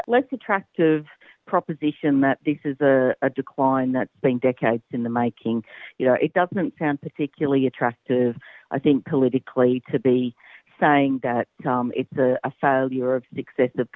mungkin mereka menambahkan elemen kompleks